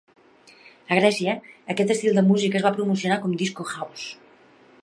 A Grècia, aquest estil de música es va promocionar com "disco house".